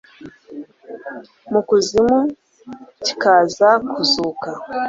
mu kuzimu, kikaza kuzuka